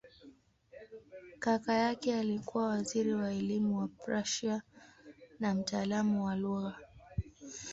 Kaka yake alikuwa waziri wa elimu wa Prussia na mtaalamu wa lugha.